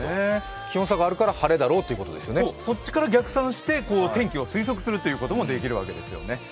気温差があるから晴れだろうということそっちから逆算して天気を推測することもできるわけですね。